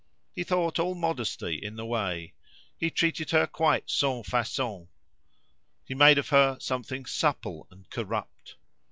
He thought all modesty in the way. He treated her quite sans façon. He made of her something supple and corrupt.